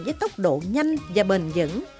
với tốc độ nhanh và bền dẫn